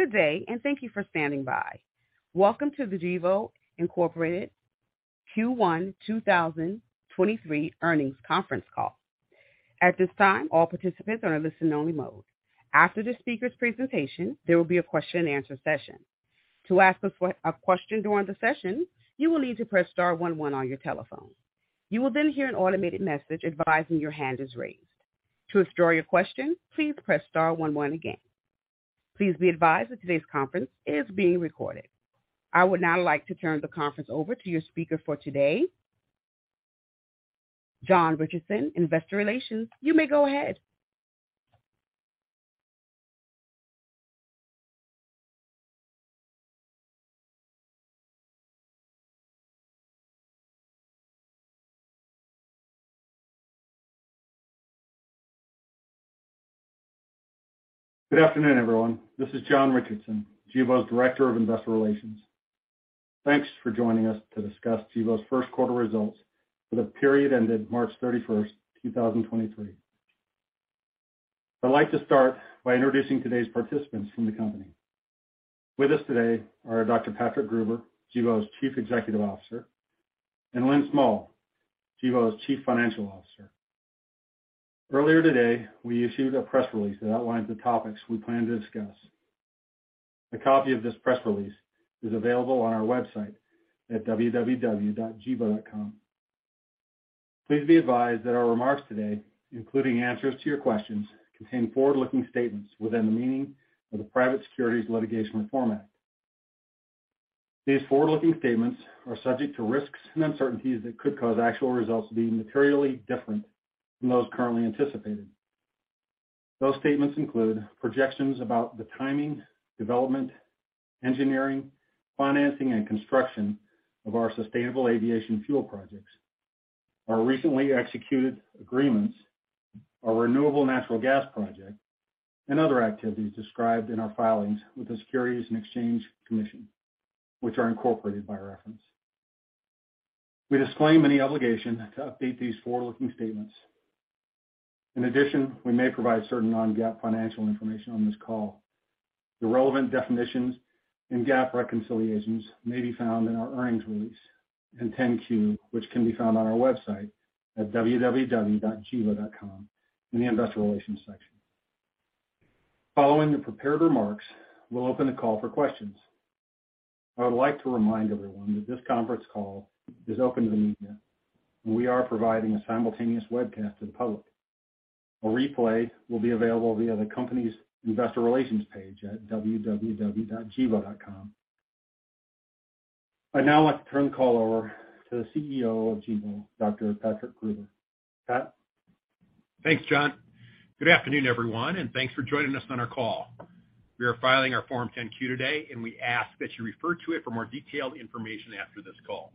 Good day, thank you for standing by. Welcome to the Gevo, Inc. Q1 2023 Earnings Conference Call. At this time, all participants are in listen only mode. After the speaker's presentation, there will be a question and answer session. To ask us a question during the session, you will need to press star 11 on your telephone. You will hear an automated message advising your hand is raised. To withdraw your question, please press star 11 again. Please be advised that today's conference is being recorded. I would now like to turn the conference over to your speaker for today, John Richardson, Investor Relations. You may go ahead. Good afternoon, everyone. This is John Richardson, Gevo's Director of Investor Relations. Thanks for joining us to discuss Gevo's Q1 results for the period ended March 31, 2023. I'd like to start by introducing today's participants from the company. With us today are Dr. Patrick Gruber, Gevo's Chief Executive Officer, and Lynn Smull, Gevo's Chief Financial Officer. Earlier today, we issued a press release that outlines the topics we plan to discuss. A copy of this press release is available on our website at www.gevo.com. Please be advised that our remarks today, including answers to your questions, contain forward-looking statements within the meaning of the Private Securities Litigation Reform Act. These forward-looking statements are subject to risks and uncertainties that could cause actual results to be materially different from those currently anticipated. Those statements include projections about the timing, development, engineering, financing, and construction of our sustainable aviation fuel projects, our recently executed agreements, our renewable natural gas project, and other activities described in our filings with the Securities and Exchange Commission, which are incorporated by reference. We disclaim any obligation to update these forward-looking statements. In addition, we may provide certain non-GAAP financial information on this call. The relevant definitions and GAAP reconciliations may be found in our earnings release and 10-Q, which can be found on our website at www.gevo.com in the investor relations section. Following the prepared remarks, we'll open the call for questions. I would like to remind everyone that this conference call is open to the media, we are providing a simultaneous webcast to the public. A replay will be available via the company's investor relations page at www.gevo.com. I'd now like to turn the call over to the CEO of Gevo, Dr. Patrick Gruber. Pat? Thanks, John. Good afternoon, everyone, thanks for joining us on our call. We are filing our form 10-Q today. We ask that you refer to it for more detailed information after this call.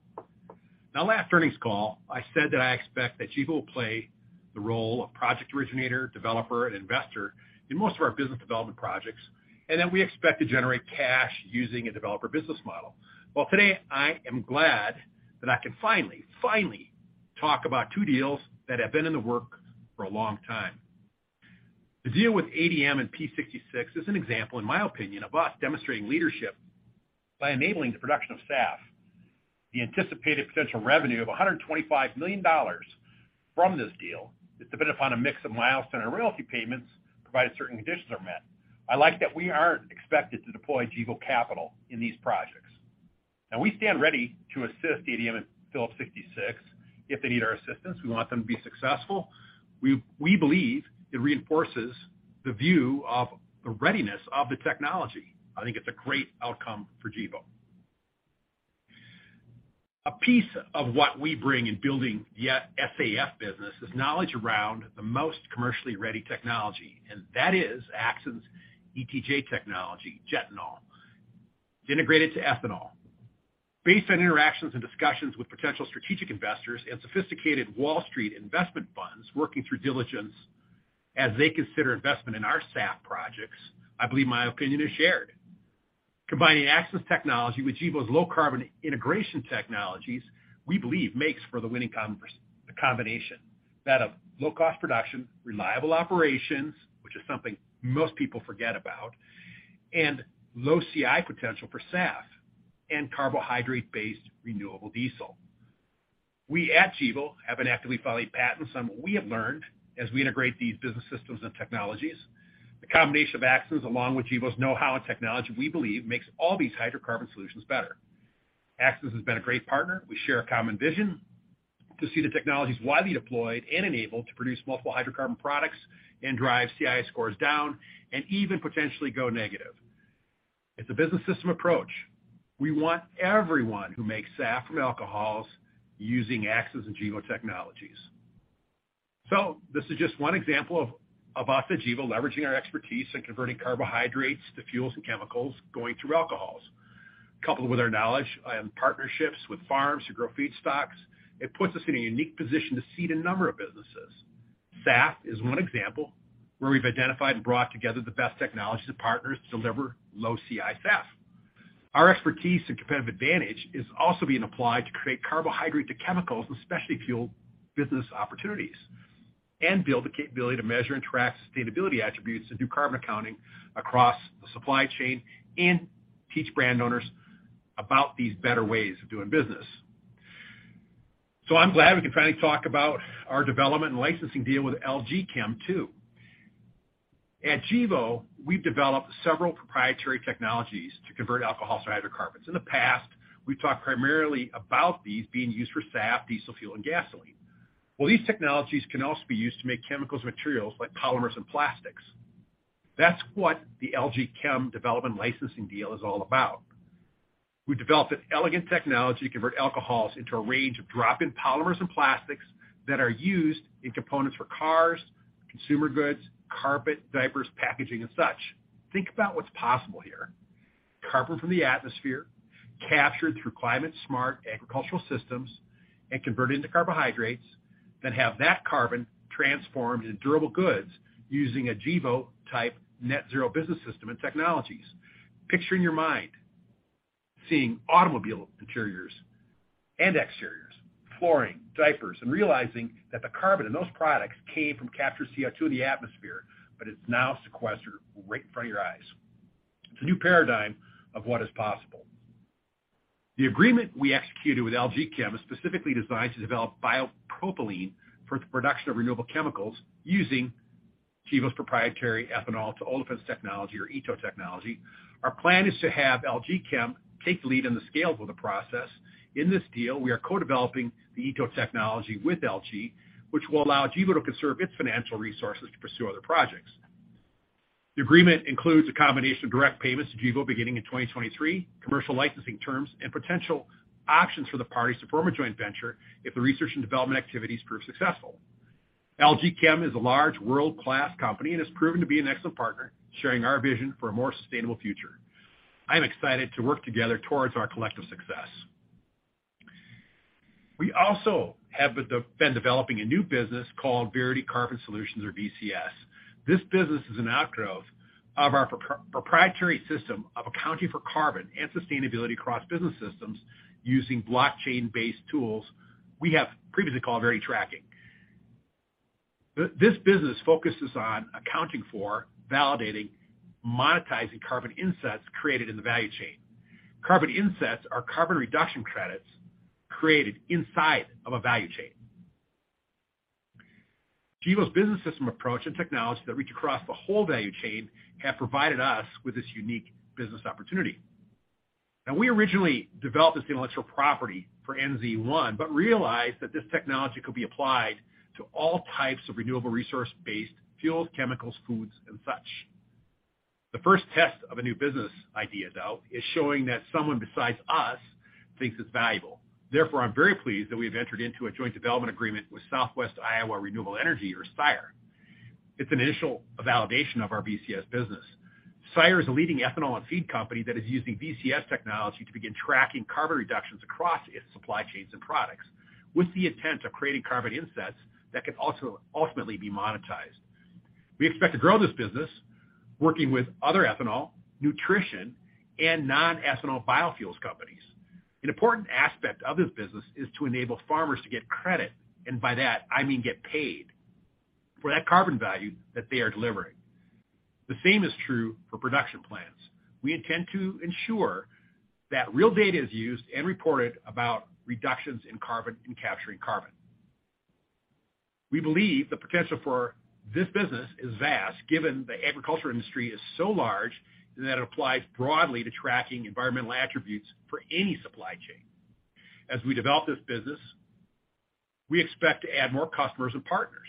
Now last earnings call, I said that I expect that Gevo will play the role of project originator, developer, and investor in most of our business development projects. We expect to generate cash using a developer business model. Well, today I am glad that I can finally talk about 2 deals that have been in the works for a long time. The deal with ADM and Phillips 66 is an example, in my opinion, of us demonstrating leadership by enabling the production of SAF. The anticipated potential revenue of $125 million from this deal is dependent upon a mix of milestone and royalty payments, provided certain conditions are met. I like that we aren't expected to deploy Gevo capital in these projects. We stand ready to assist ADM and Phillips 66 if they need our assistance. We want them to be successful. We believe it reinforces the view of the readiness of the technology. I think it's a great outcome for Gevo. A piece of what we bring in building the SAF business is knowledge around the most commercially ready technology, and that is Axens' ETJ technology, Ethanol integrated to ethanol. Based on interactions and discussions with potential strategic investors and sophisticated Wall Street investment funds working through diligence as they consider investment in our SAF projects, I believe my opinion is shared. Combining Axens technology with Gevo's low carbon integration technologies, we believe makes for the winning combination. That of low CI production, reliable operations, which is something most people forget about, and low CI potential for SAF and carbohydrate-based renewable diesel. We at Gevo have been actively filing patents on what we have learned as we integrate these business systems and technologies. The combination of Axens along with Gevo's know-how and technology, we believe, makes all these hydrocarbon solutions better. Axens has been a great partner. We share a common vision to see the technologies widely deployed and enabled to produce multiple hydrocarbon products and drive CI scores down and even potentially go negative. It's a business system approach. We want everyone who makes SAF from alcohols using Axens and Gevo technologies. This is just one example of us at Gevo leveraging our expertise in converting carbohydrates to fuels and chemicals going through alcohols. Coupled with our knowledge and partnerships with farms who grow feedstocks, it puts us in a unique position to seed a number of businesses. SAF is one example where we've identified and brought together the best technologies and partners to deliver low CI SAF. Our expertise and competitive advantage is also being applied to create carbohydrate to chemicals, especially fuel business opportunities, and build the capability to measure and track sustainability attributes and do carbon accounting across the supply chain and teach brand owners about these better ways of doing business. I'm glad we can finally talk about our development and licensing deal with LG Chem too. At Gevo, we've developed several proprietary technologies to convert alcohols to hydrocarbons. In the past, we've talked primarily about these being used for SAF, diesel fuel, and gasoline. These technologies can also be used to make chemicals materials like polymers and plastics. That's what the LG Chem development licensing deal is all about. We developed an elegant technology to convert alcohols into a range of drop-in polymers and plastics that are used in components for cars, consumer goods, carpet, diapers, packaging, and such. Think about what's possible here. Carbon from the atmosphere captured through climate-smart agricultural systems and converted into carbohydrates, have that carbon transformed into durable goods using a Gevo type net zero business system and technologies. Picture in your mind seeing automobile interiors and exteriors, flooring, diapers, and realizing that the carbon in those products came from captured CO₂ in the atmosphere, it's now sequestered right in front of your eyes. It's a new paradigm of what is possible. The agreement we executed with LG Chem is specifically designed to develop bio-propylene for the production of renewable chemicals using Gevo's proprietary Ethanol-to-Olefins technology or ETO technology. Our plan is to have LG Chem take the lead on the scales of the process. In this deal, we are co-developing the ETO technology with LG, which will allow Gevo to conserve its financial resources to pursue other projects. The agreement includes a combination of direct payments to Gevo beginning in 2023, commercial licensing terms, and potential options for the parties to form a joint venture if the research and development activities prove successful. LG Chem is a large world-class company and has proven to be an excellent partner, sharing our vision for a more sustainable future. I'm excited to work together towards our collective success. We also have been developing a new business called Verity Carbon Solutions, or VCS. This business is an outgrowth of our proprietary system of accounting for carbon and sustainability across business systems using blockchain-based tools we have previously called Verity Tracking. This business focuses on accounting for validating, monetizing carbon insets created in the value chain. Carbon insets are carbon reduction credits created inside of a value chain. Gevo's business system approach and technologies that reach across the whole value chain have provided us with this unique business opportunity. We originally developed this intellectual property for NZ1, but realized that this technology could be applied to all types of renewable resource-based fuels, chemicals, foods, and such. The first test of a new business idea, though, is showing that someone besides us thinks it's valuable. Therefore, I'm very pleased that we have entered into a joint development agreement with Southwest Iowa Renewable Energy, or SIRE. It's an initial validation of our VCS business. SIRE is a leading ethanol and feed company that is using VCS technology to begin tracking carbon reductions across its supply chains and products with the intent of creating carbon insets that can also ultimately be monetized. We expect to grow this business working with other ethanol, nutrition, and non-ethanol biofuels companies. An important aspect of this business is to enable farmers to get credit, and by that I mean get paid for that carbon value that they are delivering. The same is true for production plants. We intend to ensure that real data is used and reported about reductions in carbon and capturing carbon. We believe the potential for this business is vast, given the agriculture industry is so large that it applies broadly to tracking environmental attributes for any supply chain. As we develop this business, we expect to add more customers and partners.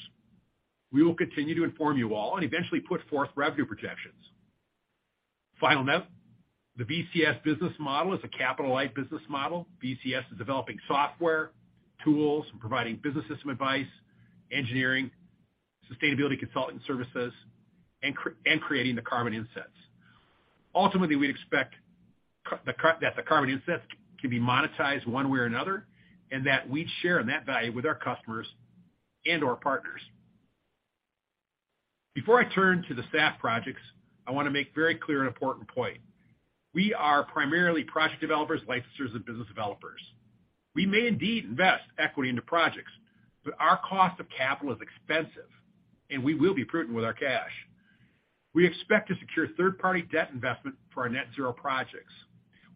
We will continue to inform you all and eventually put forth revenue projections. Final note, the VCS business model is a capital-light business model. VCS is developing software, tools, and providing business system advice, engineering, sustainability consulting services, and creating the carbon insets. Ultimately, we'd expect that the carbon insets can be monetized one way or another, and that we share in that value with our customers and or partners. Before I turn to the SAF projects, I want to make very clear an important point. We are primarily project developers, licensors, and business developers. We may indeed invest equity into projects, but our cost of capital is expensive, and we will be prudent with our cash. We expect to secure third-party debt investment for our net zero projects.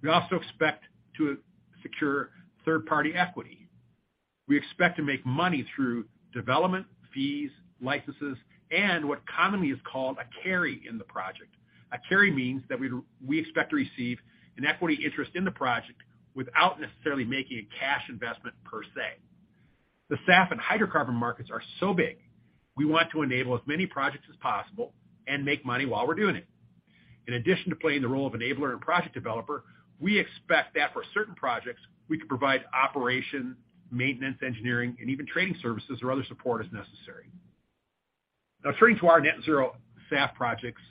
We also expect to secure third-party equity. We expect to make money through development fees, licenses, and what commonly is called a carry in the project. A carry means that we expect to receive an equity interest in the project without necessarily making a cash investment per se. The SAF and hydrocarbon markets are so big, we want to enable as many projects as possible and make money while we're doing it. In addition to playing the role of enabler and project developer, we expect that for certain projects, we can provide operation, maintenance, engineering, and even training services or other support as necessary. Turning to our net zero SAF projects,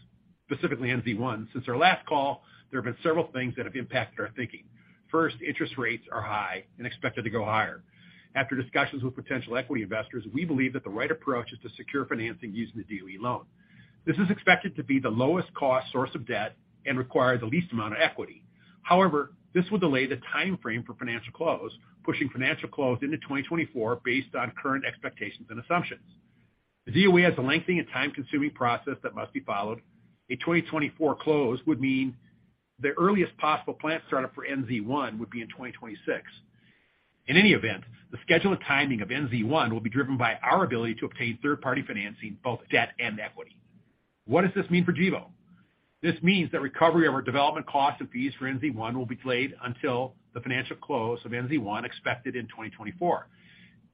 specifically NZ One. Since our last call, there have been several things that have impacted our thinking. First, interest rates are high and expected to go higher. After discussions with potential equity investors, we believe that the right approach is to secure financing using the DOE loan. This is expected to be the lowest cost source of debt and requires the least amount of equity. However, this will delay the time frame for financial close, pushing financial close into 2024 based on current expectations and assumptions. The DOE has a lengthy and time-consuming process that must be followed. A 2024 close would mean the earliest possible plant startup for NZ1 would be in 2026. In any event, the schedule and timing of NZ1 will be driven by our ability to obtain third-party financing, both debt and equity. What does this mean for Gevo? This means that recovery of our development costs and fees for NZ1 will be delayed until the financial close of NZ1 expected in 2024.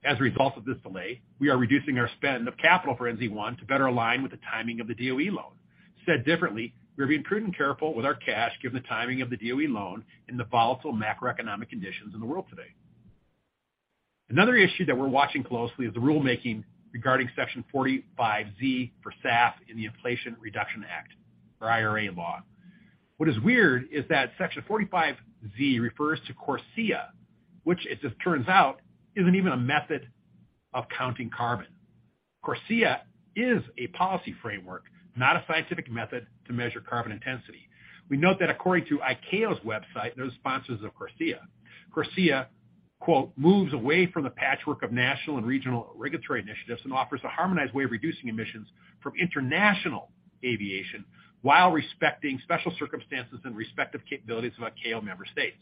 As a result of this delay, we are reducing our spend of capital for NZ1 to better align with the timing of the DOE loan. Said differently, we are being prudent, careful with our cash given the timing of the DOE loan and the volatile macroeconomic conditions in the world today. Another issue that we're watching closely is the rulemaking regarding Section 45Z for SAF in the Inflation Reduction Act or IRA law. What is weird is that Section 45Z refers to CORSIA, which as it turns out, isn't even a method of counting carbon. CORSIA is a policy framework, not a scientific method to measure carbon intensity. We note that according to ICAO's website, they're the sponsors of CORSIA. CORSIA, "moves away from the patchwork of national and regional regulatory initiatives and offers a harmonized way of reducing emissions from international aviation while respecting special circumstances and respective capabilities of ICAO member states."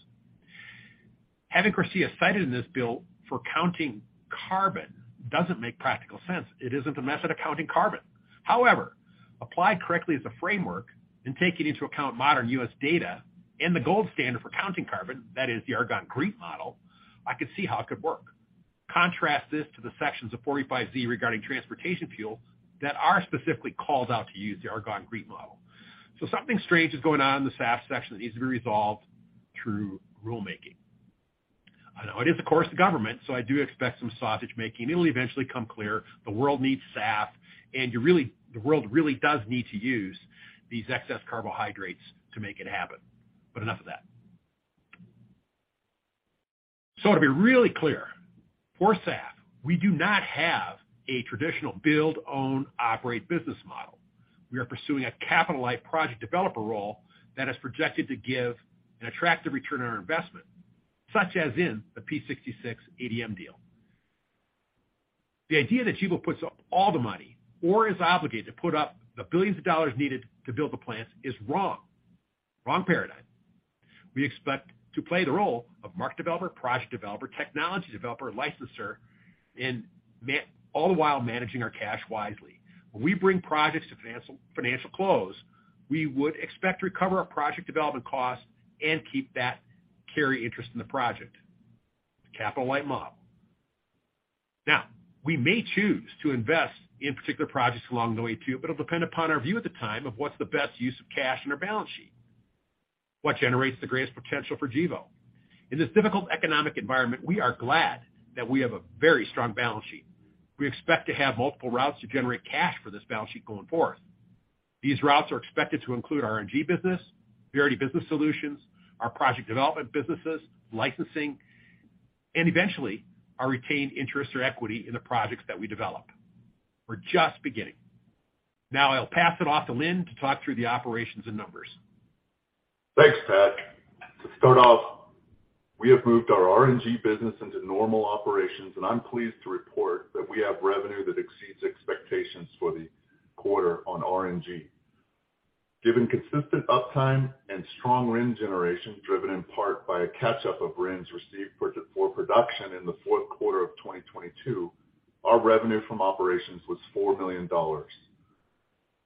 Having CORSIA cited in this bill for counting carbon doesn't make practical sense. It isn't a method of counting carbon. However, applied correctly as a framework and taking into account modern U.S. data and the gold standard for counting carbon, that is the Argonne GREET model, I could see how it could work. Contrast this to the sections of Section 45Z regarding transportation fuel that are specifically called out to use the Argonne GREET model. Something strange is going on in the SAF section that needs to be resolved through rulemaking. I know it is, of course, the government, I do expect some sausage making. It will eventually come clear the world needs SAF, the world really does need to use these excess carbohydrates to make it happen. Enough of that. To be really clear, for SAF, we do not have a traditional build, own, operate business model. We are pursuing a capital-light project developer role that is projected to give an attractive return on our investment, such as in the Phillips 66 ADM deal. The idea that Gevo puts up all the money or is obligated to put up the billions of dollars needed to build the plants is wrong. Wrong paradigm. We expect to play the role of market developer, project developer, technology developer, licensor, all the while managing our cash wisely. When we bring projects to financial close, we would expect to recover our project development costs and keep that carry interest in the project. The capital light model. We may choose to invest in particular projects along the way too, but it'll depend upon our view at the time of what's the best use of cash in our balance sheet. What generates the greatest potential for Gevo. In this difficult economic environment, we are glad that we have a very strong balance sheet. We expect to have multiple routes to generate cash for this balance sheet going forth. These routes are expected to include RNG business, Verity Carbon Solutions, our project development businesses, licensing, and eventually our retained interest or equity in the projects that we develop. We're just beginning. I'll pass it off to Lynn to talk through the operations and numbers. Thanks, Pat. To start off, we have moved our RNG business into normal operations, and I'm pleased to report that we have revenue that exceeds expectations for the quarter on RNG. Given consistent uptime and strong RIN generation, driven in part by a catch-up of RINs received for production in the fourth quarter of 2022, our revenue from operations was $4 million.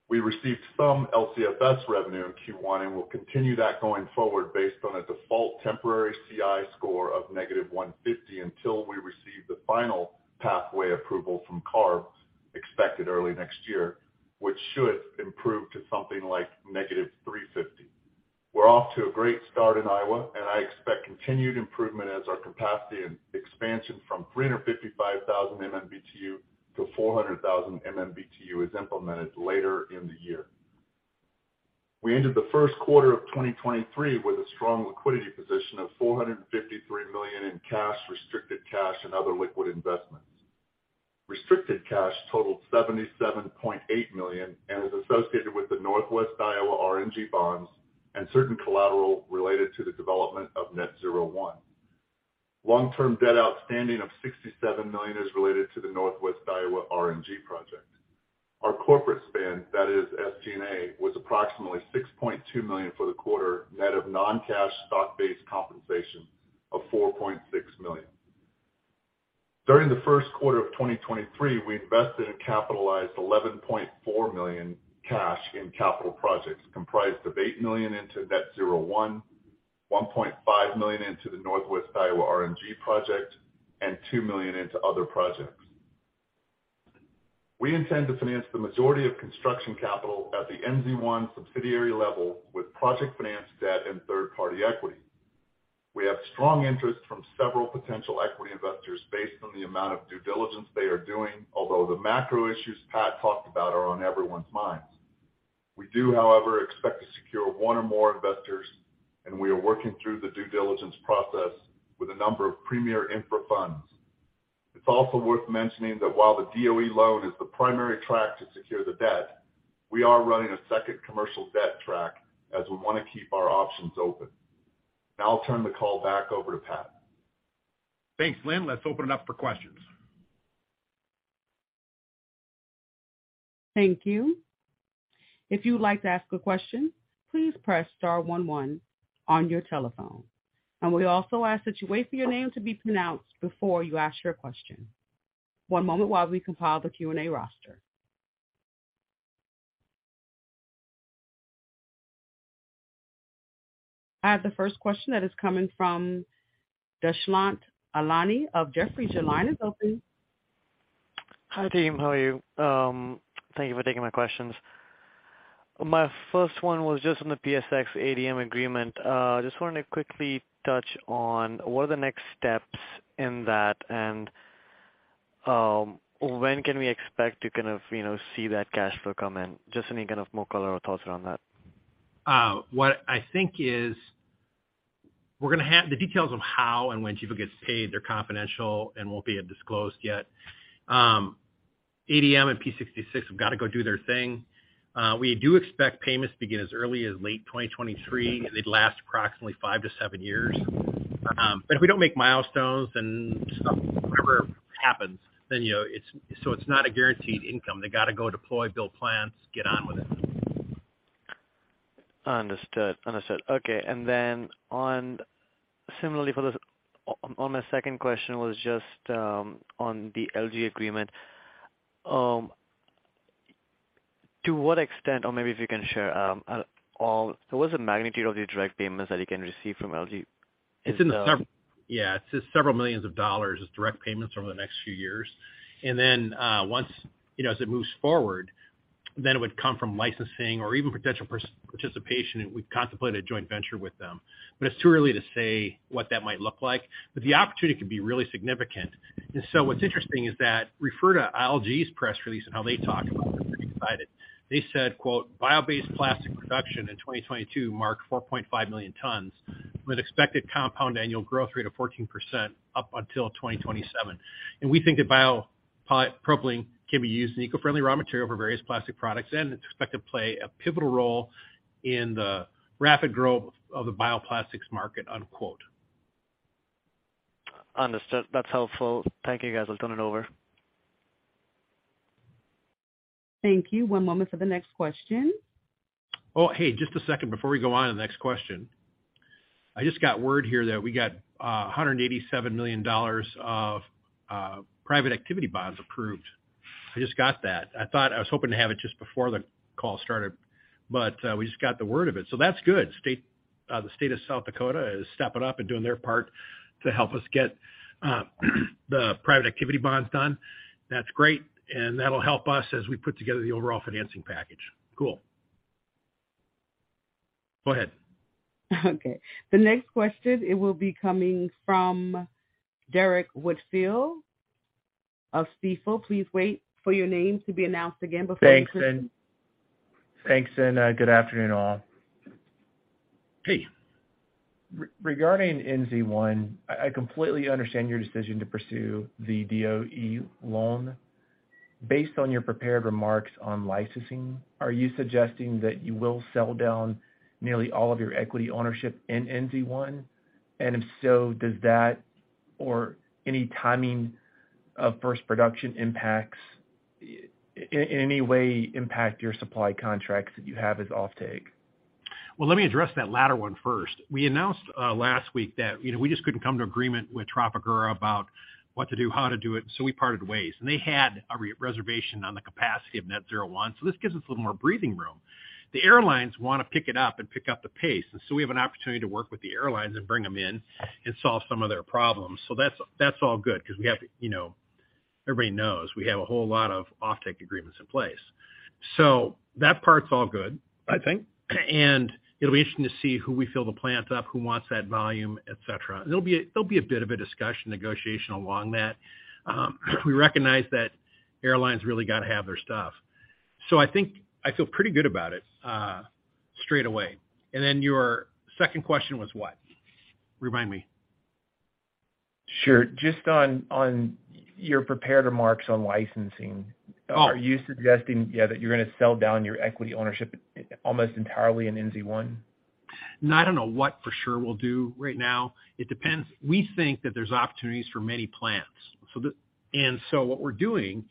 We received some LCFS revenue in Q1, and we'll continue that going forward based on a default temporary CI score of -150 until we receive the final pathway approval from CARB expected early next year, which should improve to something like -350. We're off to a great start in Iowa, and I expect continued improvement as our capacity and expansion from 355,000 MMBtu to 400,000 MMBtu is implemented later in the year. We ended the Q1 of 2023 with a strong liquidity position of $453 million in cash, restricted cash, and other liquid investments. Restricted cash totaled $77.8 million and is associated with the Northwest Iowa RNG bonds and certain collateral related to the development of Net-Zero one. Long-term debt outstanding of $67 million is related to the Northwest Iowa RNG project. Our corporate spend, that is SG&A, was approximately $6.2 million for the quarter, net of non-cash stock-based compensation of $4.6 million. During the Q1 of 2023, we invested and capitalized $11.4 million cash in capital projects comprised of $8 million into Net-Zero 1, $1.5 million into the Northwest Iowa RNG project, and $2 million into other projects. We intend to finance the majority of construction capital at the NZ1 subsidiary level with project finance debt and third-party equity. We have strong interest from several potential equity investors based on the amount of due diligence they are doing, although the macro issues Pat talked about are on everyone's minds. We do, however, expect to secure one or more investors, and we are working through the due diligence process with a number of premier infra funds. It's also worth mentioning that while the DOE loan is the primary track to secure the debt, we are running a second commercial debt track as we want to keep our options open. Now I'll turn the call back over to Pat. Thanks, Lynn. Let's open it up for questions. Thank you. If you would like to ask a question, please press star one one on your telephone. We also ask that you wait for your name to be pronounced before you ask your question. One moment while we compile the Q&A roster. I have the first question that is coming from Dushyant Ailani of Jefferies. Your line is open. Hi, team. How are you? Thank you for taking my questions. My first one was just on the PSX ADM agreement. Just wanted to quickly touch on what are the next steps in that and, when can we expect to kind of, you know, see that cash flow come in? Just any kind of more color or thoughts around that. What I think is the details of how and when Gevo gets paid are confidential and won't be disclosed yet. ADM and Phillips 66 have got to go do their thing. We do expect payments to begin as early as late 2023. They'd last approximately five to seven years. If we don't make milestones, then stuff never happens. You know, it's not a guaranteed income. They got to go deploy, build plants, get on with it. Understood. Understood. Okay. Similarly for this, on my second question was just on the LG agreement. To what extent, or maybe if you can share, all what's the magnitude of the direct payments that you can receive from LG? It's in the several million dollars. It's direct payments over the next few years. Then, once, you know, as it moves forward, then it would come from licensing or even potential part-participation. We've contemplated a joint venture with them, but it's too early to say what that might look like. The opportunity could be really significant. What's interesting is that refer to LG's press release and how they talk about how they're excited. They said, quote, "Bio-based plastic production in 2022 marked 4.5 million tons, with expected compound annual growth rate of 14% up until 2027. We think that bio polypropylene can be used in eco-friendly raw material for various plastic products, and it's expected to play a pivotal role in the rapid growth of the bio-plastics market," unquote. Understood. That's helpful. Thank you, guys. I'll turn it over. Thank you. One moment for the next question. Oh, hey, just a second before we go on to the next question. I just got word here that we got $187 million of private activity bonds approved. I just got that. I thought I was hoping to have it just before the call started, but we just got the word of it. That's good. State, the state of South Dakota is stepping up and doing their part to help us get the private activity bonds done. That's great. That'll help us as we put together the overall financing package. Cool. Go ahead. Okay. The next question, it will be coming from Derrick Whitfield of Stifel. Please wait for your name to be announced again before. Thanks. good afternoon, all. Hey. Regarding Net-Zero 1, I completely understand your decision to pursue the DOE loan. Based on your prepared remarks on licensing, are you suggesting that you will sell down nearly all of your equity ownership in Net-Zero 1? If so, does that or any timing of first production impacts in any way impact your supply contracts that you have as offtake? Well, let me address that latter one first. We announced last week that, you know, we just couldn't come to agreement with Trafigura about what to do, how to do it, so we parted ways. They had a re-reservation on the capacity of Net-Zero 1, so this gives us a little more breathing room. The airlines want to pick it up and pick up the pace, so we have an opportunity to work with the airlines and bring them in and solve some of their problems. So that's all good because we have, you know, everybody knows we have a whole lot of offtake agreements in place. So that part's all good, I think. It'll be interesting to see who we fill the plants up, who wants that volume, et cetera. There'll be a bit of a discussion, negotiation along that. We recognize that airlines really got to have their stuff. I think I feel pretty good about it, straight away. Your second question was what? Remind me. Sure. Just on your prepared remarks on licensing? Oh. Are you suggesting, yeah, that you're gonna sell down your equity ownership, almost entirely in Net-Zero 1? No, I don't know what for sure we'll do right now. It depends. We think that there's opportunities for many plants. What we're doing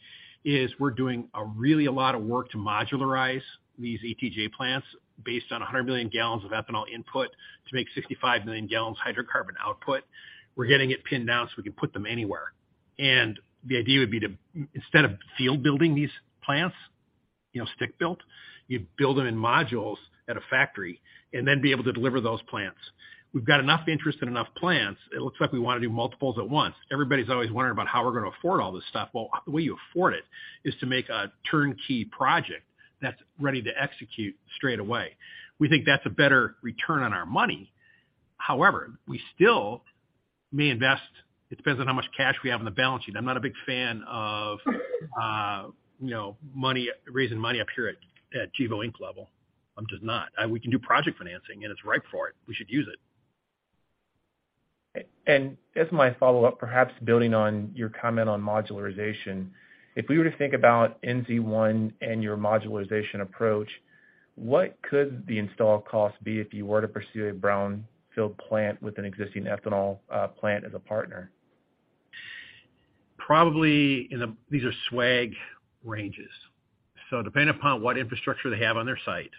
is we're doing a really a lot of work to modularize these ETJ plants based on 100 million gallons of ethanol input to make 65 million gallons hydrocarbon output. We're getting it pinned down so we can put them anywhere. The idea would be to instead of field building these plants, you know, stick built, you build them in modules at a factory and then be able to deliver those plants. We've got enough interest in enough plants. It looks like we want to do multiples at once. Everybody's always wondering about how we're gonna afford all this stuff. The way you afford it is to make a turnkey project that's ready to execute straight away. We think that's a better return on our money. However, we still may invest. It depends on how much cash we have on the balance sheet. I'm not a big fan of, you know, raising money up here at Gevo Inc. level. I'm just not. We can do project financing, and it's right for it. We should use it. As my follow-up, perhaps building on your comment on modularization. If we were to think about NZ1 and your modularization approach, what could the install cost be if you were to pursue a brownfield plant with an existing ethanol plant as a partner? Probably in a. These are swag ranges. Depending upon what infrastructure they have on their site,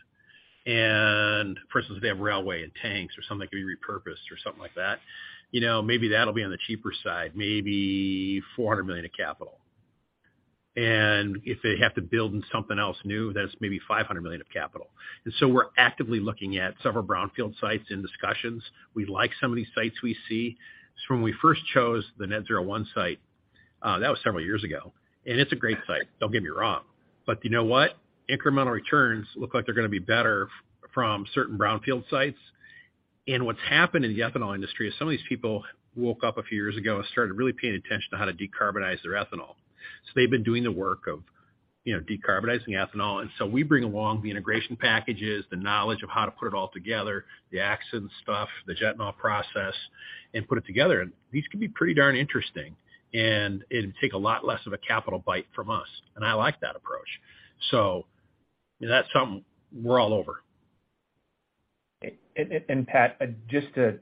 and for instance, if they have railway and tanks or something that can be repurposed or something like that, you know, maybe that'll be on the cheaper side, maybe $400 million of capital. If they have to build in something else new, that's maybe $500 million of capital. We're actively looking at several brownfield sites in discussions. We like some of these sites we see. When we first chose the Net-Zero 1 site, that was several years ago. It's a great site, don't get me wrong. You know what? Incremental returns look like they're gonna be better from certain brownfield sites. What's happened in the ethanol industry is some of these people woke up a few years ago and started really paying attention to how to decarbonize their ethanol. They've been doing the work of, you know, decarbonizing ethanol. We bring along the integration packages, the knowledge of how to put it all together, the Axens stuff, the jet fuel process, and put it together. These can be pretty darn interesting, and it'd take a lot less of a capital bite from us. I like that approach. That's something we're all over. Pat, just to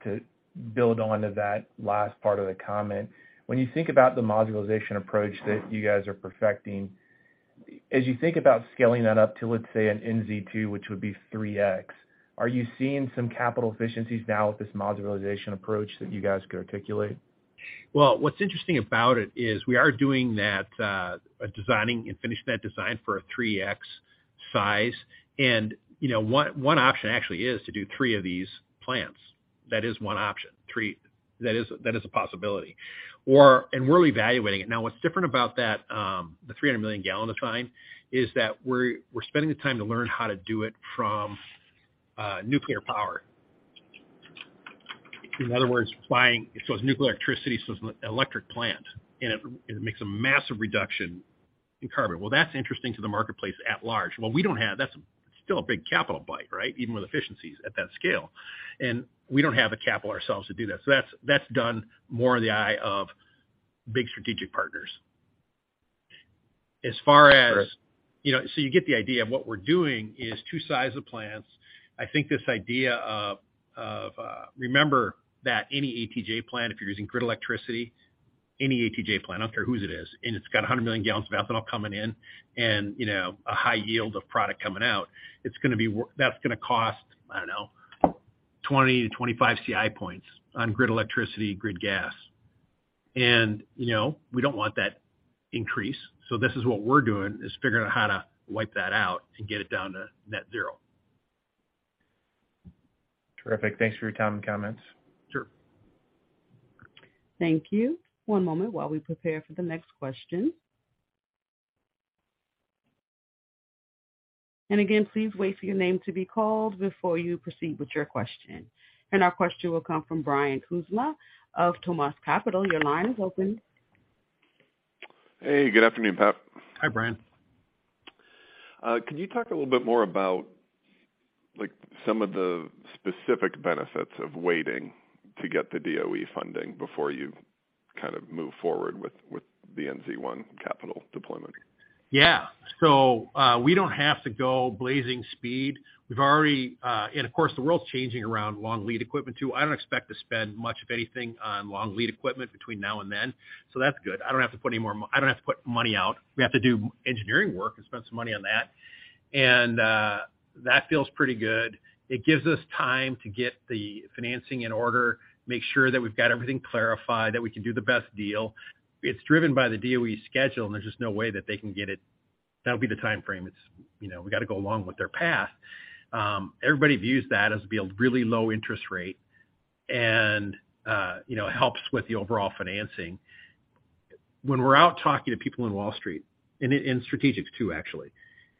build on to that last part of the comment. When you think about the modularization approach that you guys are perfecting, as you think about scaling that up to, let's say, an NZ2, which would be 3x, are you seeing some capital efficiencies now with this modularization approach that you guys could articulate? What's interesting about it is we are doing that, designing and finishing that design for a 3x size. One option actually is to do three of these plants. That is one option. That is a possibility. We're evaluating it. What's different about that, the 300 million gallon design is that we're spending the time to learn how to do it from nuclear power. In other words, so it's nuclear electricity, so it's an electric plant, and it makes a massive reduction in carbon. That's interesting to the marketplace at large. That's still a big capital bite, right? Even with efficiencies at that scale. We don't have the capital ourselves to do that. That's done more in the eye of big strategic partners. As far as- Sure. You know, you get the idea of what we're doing is two size of plants. I think this idea of, remember that any ATJ plant, if you're using grid electricity, any ATJ plant, I don't care whose it is, and it's got 100 million gallons of ethanol coming in and, you know, a high yield of product coming out, it's gonna cost, I don't know, 20-25 CI points on grid electricity, grid gas. You know, we don't want that increase. This is what we're doing, is figuring out how to wipe that out and get it down to net zero. Terrific. Thanks for your time and comments. Sure. Thank you. One moment while we prepare for the next question. Again, please wait for your name to be called before you proceed with your question. Our question will come from Brian Kuzma of Thomist Capital. Your line is open. Hey, good afternoon, Pat. Hi, Brian. Can you talk a little bit more about, like, some of the specific benefits of waiting to get the DOE funding before you kind of move forward with the NZ1 capital deployment? Yeah. We don't have to go blazing speed. We've already. Of course, the world's changing around long lead equipment too. I don't expect to spend much of anything on long lead equipment between now and then. That's good. I don't have to put money out. We have to do engineering work and spend some money on that. That feels pretty good. It gives us time to get the financing in order, make sure that we've got everything clarified, that we can do the best deal. It's driven by the DOE schedule, and there's just no way that they can get it. That'll be the timeframe. It's, you know, we got to go along with their path. Everybody views that as being a really low interest rate and, you know, helps with the overall financing. When we're out talking to people in Wall Street and in strategics too, actually,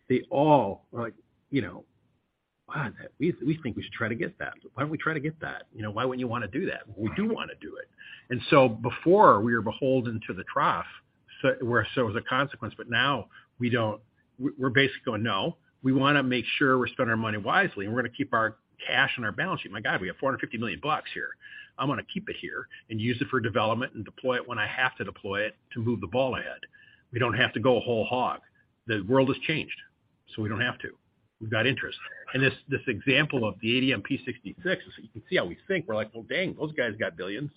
they all are like, "You know, wow, we think we should try to get that. Why don't we try to get that? You know, why wouldn't you wanna do that?" We do wanna do it. Before we were beholden to the trough, so as a consequence, now we don't. We're basically going, "No, we wanna make sure we spend our money wisely, and we're gonna keep our cash on our balance sheet." My God, we have $450 million here. I wanna keep it here and use it for development and deploy it when I have to deploy it to move the ball ahead. We don't have to go whole hog. The world has changed. We don't have to. We've got interest. This example of the ADM and Phillips 66 is, you can see how we think. We're like, "Well, dang, those guys got $ billions.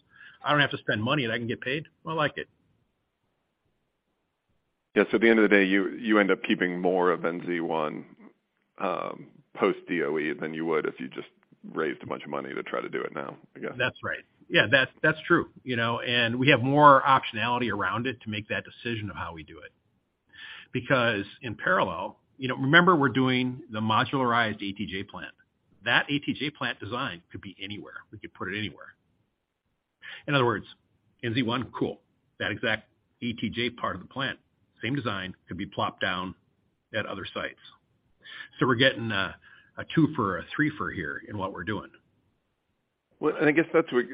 I don't have to spend money, and I can get paid. I like it. Yeah. At the end of the day, you end up keeping more of NZ1, post-DOE than you would if you just raised a bunch of money to try to do it now, I guess. That's right. Yeah, that's true, you know. We have more optionality around it to make that decision of how we do it. Because in parallel, you know, remember we're doing the modularized ATJ plant. That ATJ plant design could be anywhere. We could put it anywhere. In other words, NZ1, cool. That exact ATJ part of the plant, same design, could be plopped down at other sites. We're getting a two-fer or a three-fer here in what we're doing. Well, I guess that's what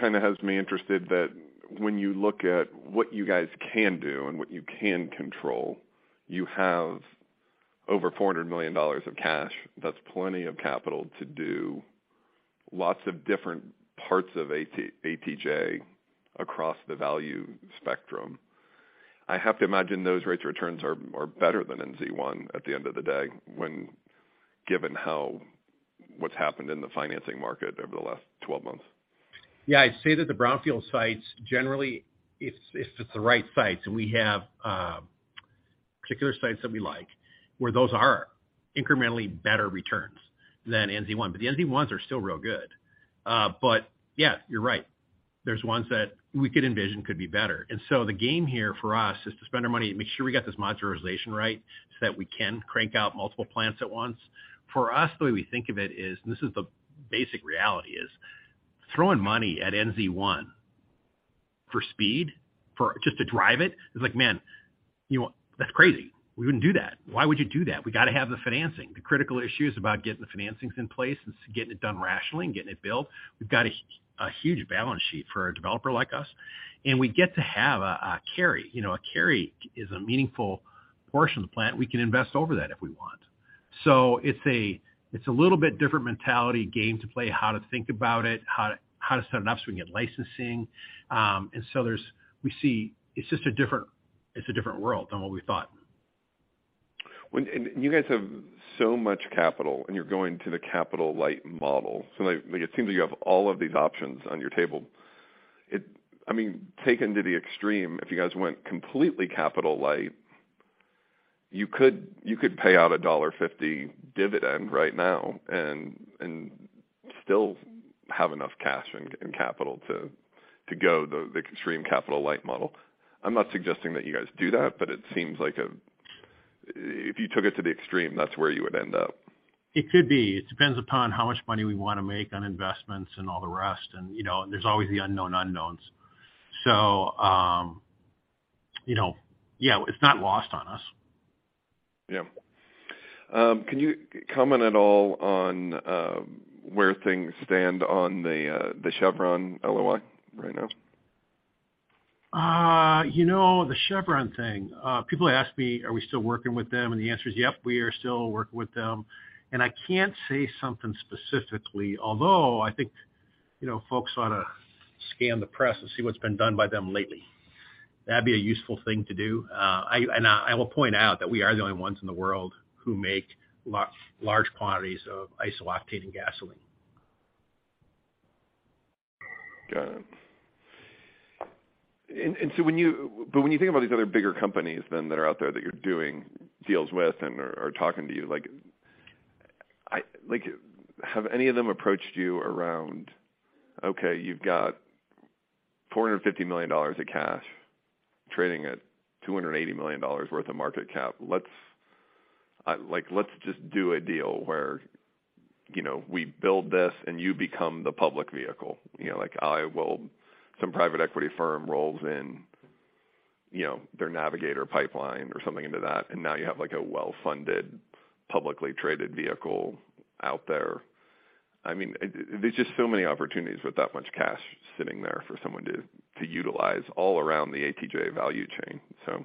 kind of has me interested that when you look at what you guys can do and what you can control, you have over $400 million of cash. That's plenty of capital to do lots of different parts of ATJ across the value spectrum. I have to imagine those rates of returns are better than NZ1 at the end of the day when given how what's happened in the financing market over the last 12 months. I'd say that the brownfield sites, generally, it's just the right sites. We have particular sites that we like where those are incrementally better returns than NZ1. The NZ1s are still real good. Yeah, you're right. There's ones that we could envision could be better. The game here for us is to spend our money to make sure we got this modularization right so that we can crank out multiple plants at once. For us, the way we think of it is, this is the basic reality, is throwing money at NZ1 for speed, for just to drive it. It's like, man, you know what? That's crazy. We wouldn't do that. Why would you do that? We got to have the financing. The critical issue is about getting the financings in place. It's getting it done rationally and getting it built. We've got a huge balance sheet for a developer like us, and we get to have a carry. You know, a carry is a meaningful portion of the plant. We can invest over that if we want. It's a little bit different mentality game to play, how to think about it, how to set it up so we can get licensing. We see it's just a different, it's a different world than what we thought. You guys have so much capital, and you're going to the capital light model. Like it seems like you have all of these options on your table. I mean, taken to the extreme, if you guys went completely capital light, you could pay out a $1.50 dividend right now and still have enough cash and capital to go the extreme capital light model. I'm not suggesting that you guys do that, but it seems like, if you took it to the extreme, that's where you would end up. It could be. It depends upon how much money we wanna make on investments and all the rest. You know, there's always the unknown unknowns. You know, yeah, it's not lost on us. Yeah. Can you comment at all on where things stand on the Chevron LOI right now? You know, the Chevron thing, people ask me, are we still working with them? The answer is, yep, we are still working with them. I can't say something specifically, although I think, you know, folks ought to scan the press and see what's been done by them lately. That'd be a useful thing to do. I will point out that we are the only ones in the world who make large quantities of isooctane and gasoline. Got it. When you think about these other bigger companies then that are out there that you're doing deals with and are talking to you, like, have any of them approached you around, okay, you've got $450 million of cash trading at $280 million worth of market cap. Let's, like, let's just do a deal where, you know, we build this and you become the public vehicle. You know, like, Some private equity firm rolls in, you know, their navigator pipeline or something into that, and now you have, like, a well-funded, publicly traded vehicle out there. I mean, there's just so many opportunities with that much cash sitting there for someone to utilize all around the ATJ value chain. Yeah.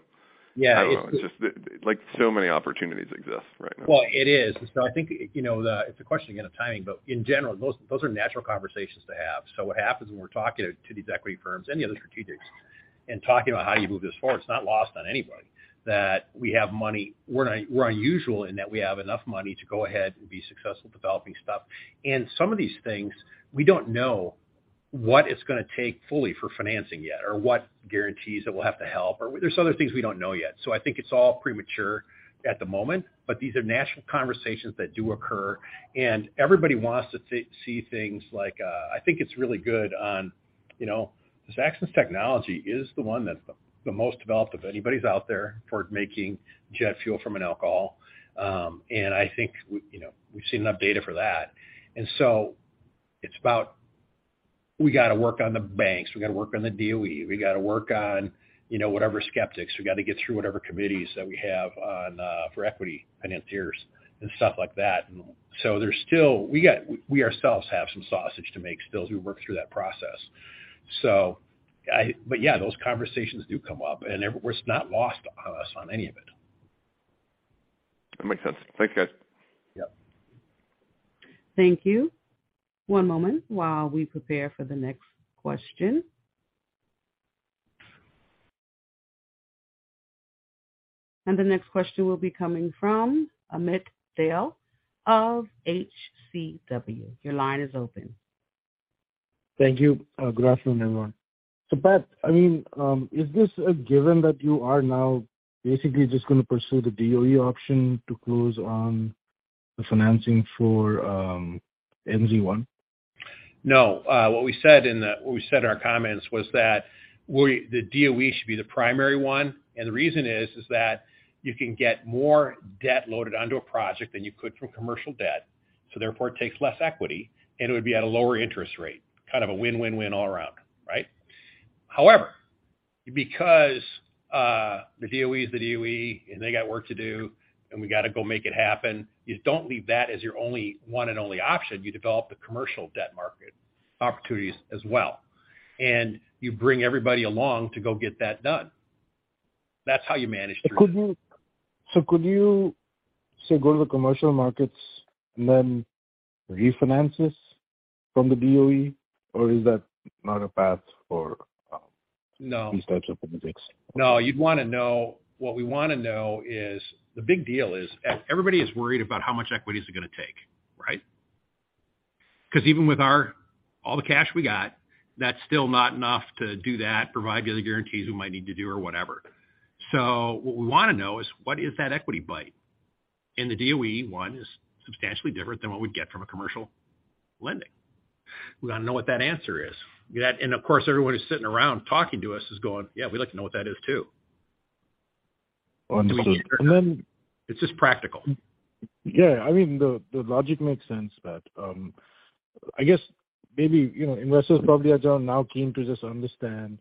I don't know. It's just like so many opportunities exist right now. Well, it is. I think, you know, the it's a question again of timing, but in general, those are natural conversations to have. What happens when we're talking to these equity firms, any other strategics, and talking about how you move this forward, it's not lost on anybody that we have money. We're unusual in that we have enough money to go ahead and be successful developing stuff. Some of these things we don't know what it's gonna take fully for financing yet or what guarantees that we'll have to help or. There's other things we don't know yet. I think it's all premature at the moment. These are natural conversations that do occur, and everybody wants to see things like, I think it's really good on, you know. This Axens technology is the one that's the most developed of anybody's out there for making jet fuel from an alcohol. I think we, you know, we've seen enough data for that. It's about we gotta work on the banks, we gotta work on the DOE, we gotta work on, you know, whatever skeptics, we gotta get through whatever committees that we have on for equity financiers and stuff like that. There's still, we ourselves have some sausage to make still as we work through that process. Yeah, those conversations do come up, and it's not lost on us on any of it. That makes sense. Thank you, guys. Yep. Thank you. One moment while we prepare for the next question. The next question will be coming from Amit Dayal of H.C. Your line is open. Thank you. Good afternoon, everyone. Pat, I mean, is this a given that you are now basically just gonna pursue the DOE option to close on the financing for NZ1? No. What we said in our comments was that the DOE should be the primary one. The reason is that you can get more debt loaded onto a project than you could from commercial debt. Therefore it takes less equity. It would be at a lower interest rate. Kind of a win-win-win all around, right? However, because the DOE is the DOE, they got work to do. We got to go make it happen. You don't leave that as your only one and only option. You develop the commercial debt market opportunities as well. You bring everybody along to go get that done. That's how you manage risk. Could you say, go to the commercial markets and then refinance this from the DOE? Or is that not a path for No. These types of projects? No. What we wanna know is the big deal is everybody is worried about how much equity is it gonna take, right? Because even with all the cash we got, that's still not enough to do that, provide the other guarantees we might need to do or whatever. What we wanna know is what is that equity bite? The DOE one is substantially different than what we'd get from a commercial lending. We gotta know what that answer is. Of course, everyone who's sitting around talking to us is going, "Yeah, we'd like to know what that is too. Understood. It's just practical. I mean, the logic makes sense, but, I guess maybe, you know, investors probably are now keen to just understand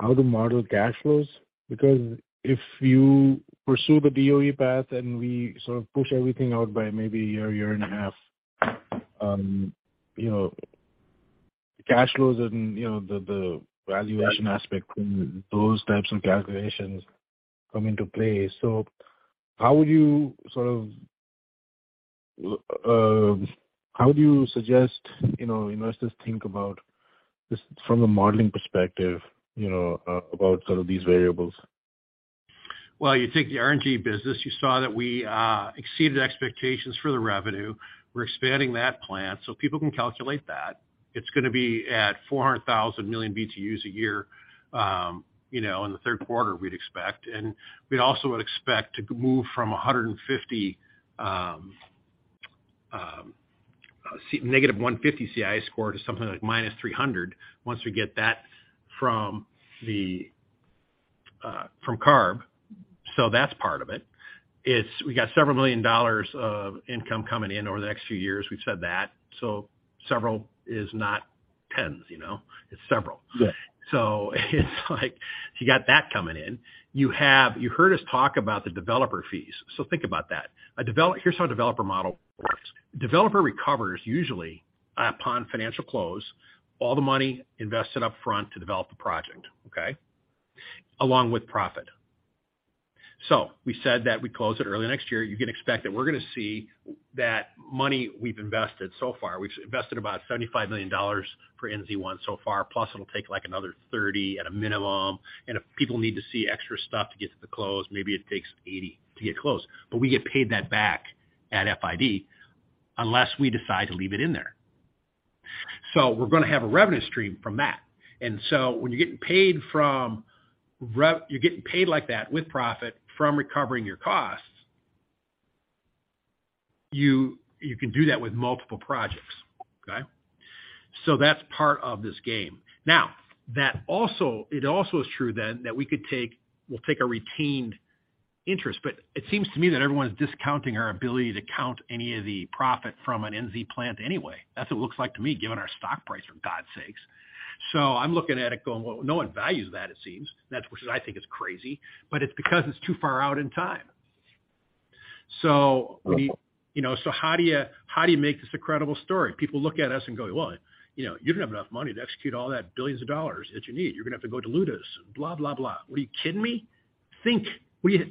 how to model cash flows. If you pursue the DOE path and we sort of push everything out by maybe a year and a half, you know, cash flows and, you know, the valuation aspect and those types of calculations come into play. How would you sort of, how do you suggest, you know, investors think about this from a modeling perspective, you know, about sort of these variables? Well, you take the RNG business. You saw that we exceeded expectations for the revenue. We're expanding that plant so people can calculate that. It's gonna be at 400,000 million BTUs a year, you know, in the third quarter, we'd expect. We'd also expect to move from -150 CI score to something like -300 once we get that from the from CARB. We got $several million of income coming in over the next few years. We've said that. Several is not tens, you know? It's several. Yeah. It's like you got that coming in. You heard us talk about the developer fees. Think about that. Here's how a developer model works. Developer recovers usually upon financial close all the money invested up front to develop the project, okay? Along with profit. We said that we'd close it early next year. You can expect that we're gonna see that money we've invested so far. We've invested about $75 million for NZ1 so far, plus it'll take, like, another 30 at a minimum. If people need to see extra stuff to get to the close, maybe it takes 80 to get close. We get paid that back at FID unless we decide to leave it in there. We're gonna have a revenue stream from that. When you're getting paid you're getting paid like that with profit from recovering your costs, you can do that with multiple projects, okay? That's part of this game. It also is true then that we could take, we'll take a retained interest. It seems to me that everyone is discounting our ability to count any of the profit from an NZ plant anyway. That's what it looks like to me, given our stock price, for God's sakes. I'm looking at it going, "Well, no one values that, it seems." That's which I think is crazy, but it's because it's too far out in time. Okay. You know, how do you make this a credible story? People look at us and go, "Well, you know, you don't have enough money to execute all that billions of dollars that you need. You're gonna have to go dilute us, blah, blah." What are you kidding me? Think.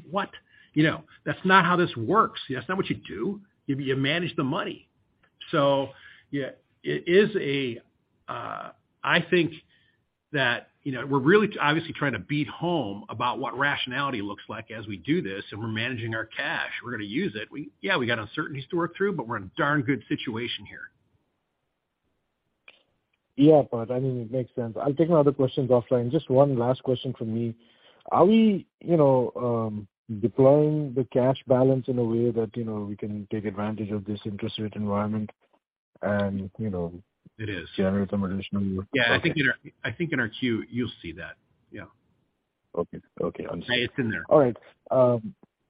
What? You know, that's not how this works. That's not what you do. You manage the money. Yeah, it is I think that, you know, we're really obviously trying to beat home about what rationality looks like as we do this, and we're managing our cash. We're gonna use it. Yeah, we got uncertainties to work through, we're in a darn good situation here. I mean, it makes sense. I'll take my other questions offline. Just 1 last question from me. Are we, you know, deploying the cash balance in a way that, you know, we can take advantage of this interest rate environment? It is. generate some additional Yeah, I think in our Q, you'll see that. Yeah. Okay. Okay. Understood. It's in there. All right.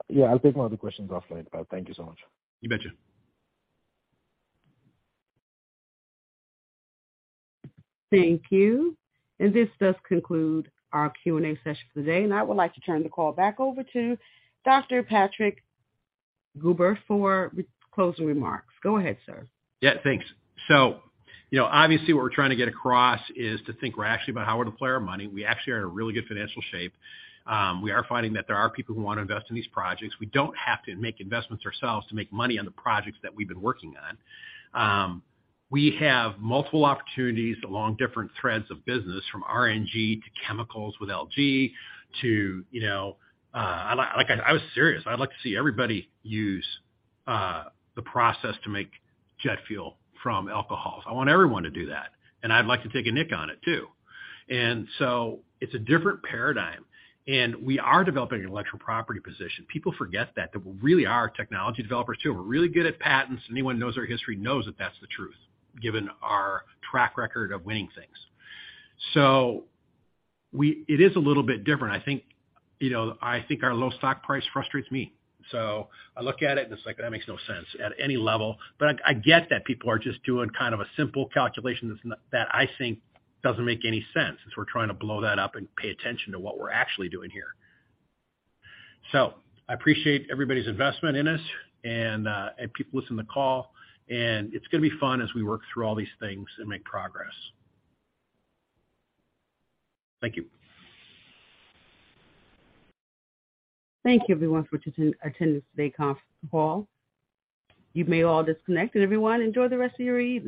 Yeah, I'll take my other questions offline, but thank you so much. You betcha. Thank you. This does conclude our Q&A session for the day. I would like to turn the call back over to Dr. Patrick Gruber for closing remarks. Go ahead, sir. Yeah, thanks. You know, obviously what we're trying to get across is to think rationally about how we deploy our money. We actually are in a really good financial shape. We are finding that there are people who wanna invest in these projects. We don't have to make investments ourselves to make money on the projects that we've been working on. We have multiple opportunities along different threads of business, from RNG to chemicals with LG to, you know, like, I was serious. I'd like to see everybody use the process to make jet fuel from alcohols. I want everyone to do that, and I'd like to take a nick on it too. It's a different paradigm, and we are developing an intellectual property position. People forget that we really are technology developers too. We're really good at patents. Anyone who knows our history knows that that's the truth, given our track record of winning things. It is a little bit different. I think, you know, I think our low stock price frustrates me. I look at it and it's like, "That makes no sense at any level." I get that people are just doing kind of a simple calculation that I think doesn't make any sense, as we're trying to blow that up and pay attention to what we're actually doing here. I appreciate everybody's investment in us and people listening to the call. It's gonna be fun as we work through all these things and make progress. Thank you. Thank you everyone for attendance today call. You may all disconnect. Everyone, enjoy the rest of your evening.